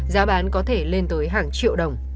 giá bán có thể lên tới hàng triệu